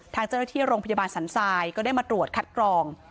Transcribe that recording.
ทางเจ้าหน้าที่โรงพยาบาลสันทรายก็ได้มาตรวจคัดกรอง